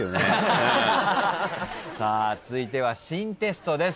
続いては新テストです。